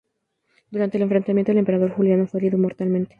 Durante el enfrentamiento el emperador Juliano fue herido mortalmente.